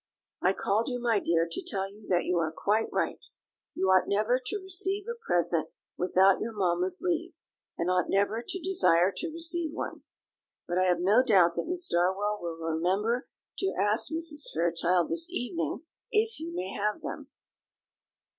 "I called you, my dear, to tell you that you are quite right: you ought never to receive a present without your mamma's leave, and ought never to desire to receive one. But I have no doubt that Miss Darwell will remember to ask Mrs. Fairchild this evening if you may have them."